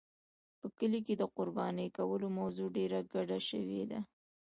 په کلي کې د قربانۍ کولو موضوع ډېره ګډه شوې وه.